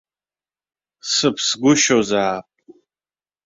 Сыԥсгәышьозаап.